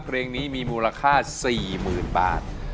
เพลงนี้มีมูลค่า๔๐๐๐บาท